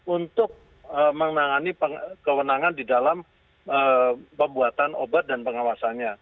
untuk menangani kewenangan di dalam pembuatan obat dan pengawasannya